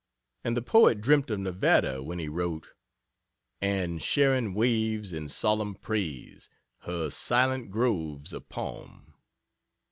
and the poet dreamt of Nevada when he wrote: "and Sharon waves, in solemn praise, Her silent groves of palm."